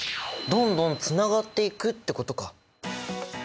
どんどんつながっていくってことか！